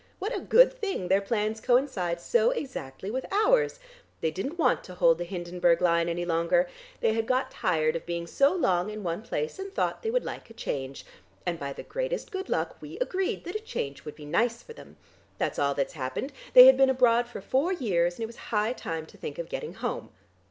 "What a good thing their plans coincide so exactly with ours! They didn't want to hold the Hindenburg line any longer. They had got tired of being so long in one place and thought they would like a change, and by the greatest good luck we agreed that a change would be nice for them. That's all that's happened: they had been abroad for four years, and it was high time to think of getting home.